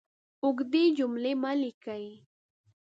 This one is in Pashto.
اوږدې جملې مه لیکئ!